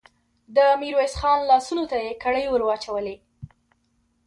د ميرويس خان لاسونو ته يې کړۍ ور واچولې.